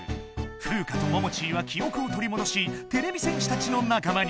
フウカとモモチーは記おくをとりもどしてれび戦士たちのなか間に。